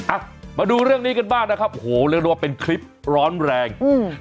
อ่ะมาดูเรื่องนี้กันบ้างนะครับโอ้โหเรียกได้ว่าเป็นคลิปร้อนแรงอืม